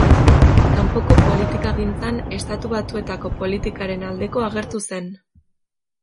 Kanpoko politikagintzan Estatu Batuetako politikaren aldeko agertu zen.